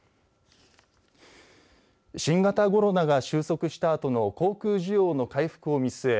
新型コロナが収束したあとの航空需要の回復を見据え